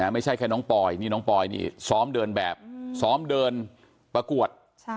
ไม่ใช่แค่น้องปอยนี่น้องปอยนี่ซ้อมเดินแบบซ้อมเดินประกวด